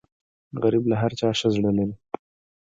غریب له هر چا ښه زړه لري